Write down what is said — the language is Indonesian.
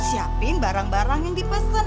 shaping barang barang yang dipesan